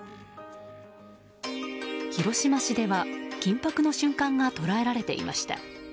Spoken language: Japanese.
広島市では緊迫の瞬間が捉えられていました。